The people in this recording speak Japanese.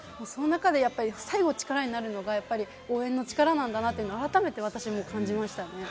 その中で最後力になるのが応援の力なんだなって、改めて私も感じましたね。